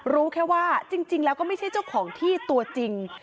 รู้แค่ว่าจริงแล้วก็ไม่ใช่เจ้าของที่ตัวจริง